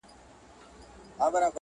شیخه چي په شک مي درته وکتل معذور یمه!.